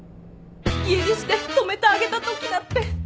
家出して泊めてあげたときだって